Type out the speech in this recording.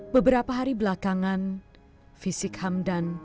beberapa hari belakangan fisik hamdan